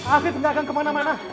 alvin gak akan kemana mana